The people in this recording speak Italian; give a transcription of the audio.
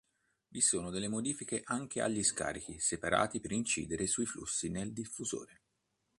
Vi sono delle modifiche anche agli scarichi, separati per incidere sui flussi nel diffusore.